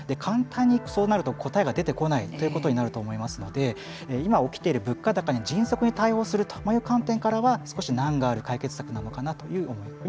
そうなると簡単に答えが出てこないということになると思いますので今、起きている物価高に迅速に対応するという観点からは少し難がある解決策なのかな